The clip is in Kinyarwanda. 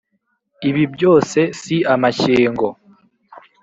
ibi byose si amashyengo